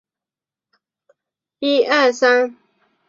佩斯凯迪瑞是印尼最成功的俱乐部之一。